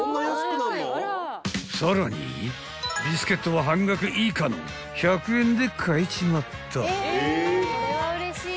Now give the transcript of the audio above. ［ビスケットは半額以下の１００円で買えちまった］